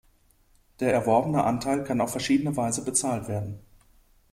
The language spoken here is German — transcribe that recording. Der erworbene Anteil kann auf verschiedene Weise „bezahlt“ werden.